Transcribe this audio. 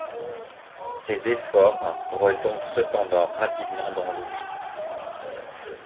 Ces efforts retombent cependant rapidement dans l'oubli.